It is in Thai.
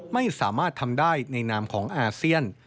ไม่สามารถทำได้ในนามของอาเซียน